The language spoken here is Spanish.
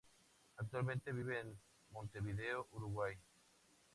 Actualmente vive en Montevideo, Uruguay.